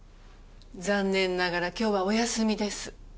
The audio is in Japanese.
残念ながら今日はお休みです。